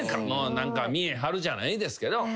何か見え張るじゃないですけど。